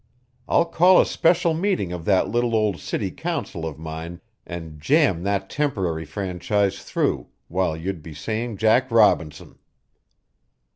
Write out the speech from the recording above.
I'll call a special meeting of that little old city council of mine and jam that temporary franchise through while you'd be saying 'Jack Robinson!'"